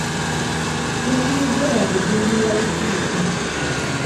Yasibiddwa lwa kugingirira lisiiti.